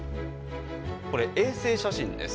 これ衛星写真です。